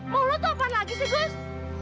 mau lo tuh apaan lagi sih gus